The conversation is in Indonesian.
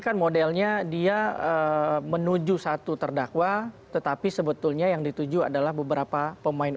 kan modelnya dia menuju satu terdakwa tetapi sebetulnya yang dituju adalah beberapa pemain